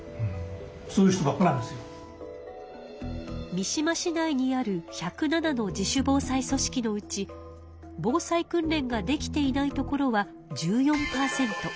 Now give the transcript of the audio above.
三島市内にある１０７の自主防災組織のうち防災訓練ができていない所は１４％。